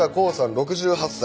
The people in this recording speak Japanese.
６８歳。